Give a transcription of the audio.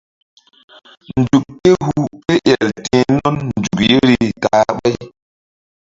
Nzuk ké hu ké el ti̧h nun nzuk yeri ta-a ɓáy.